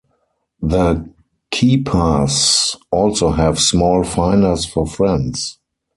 The Keypers also have small Finders for friends.